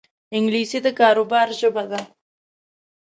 انګلیسي د کاروبار ژبه ده